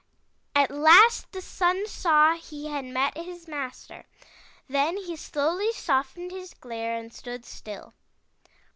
At last the Sun saw he had met his master. Then he slowly softened his glare and stood still.